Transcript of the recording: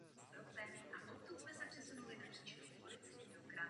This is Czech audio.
Zaprvé, v Parlamentu se ozývaly značně rozdílné a různorodé názory.